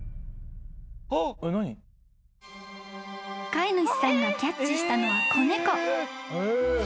［飼い主さんがキャッチしたのは］